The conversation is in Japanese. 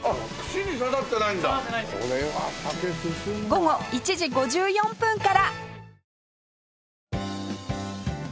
午後１時５４分から